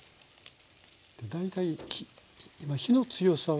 大体今火の強さは？